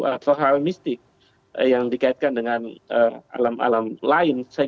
atau hal mistik yang dikaitkan dengan alam alam lain